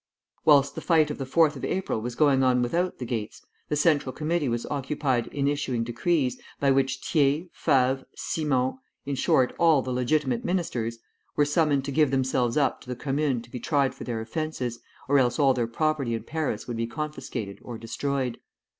Whilst the fight of the 4th of April was going on without the gates, the Central Committee was occupied in issuing decrees, by which Thiers, Favre, Simon, in short, all the legitimate ministers, were summoned to give themselves up to the Commune to be tried for their offences, or else all their property in Paris would be confiscated or destroyed.